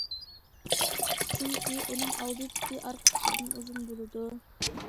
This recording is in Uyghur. چۈنكى، ئۇنىڭ ئالدى پۇتى ئارقا پۇتىدىن ئۇزۇن بولىدۇ.